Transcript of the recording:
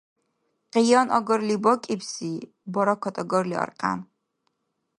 Къиян агарли бакӀибси баракат агарли аркьян.